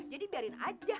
jadi biarin aja